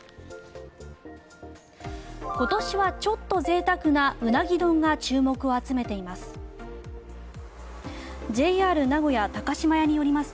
今年はちょっと贅沢なウナギ丼が注目を集めています。